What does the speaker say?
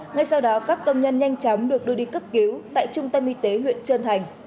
ngay sau đó các công nhân nhanh chóng được đưa đi cấp cứu tại trung tâm y tế huyện trân thành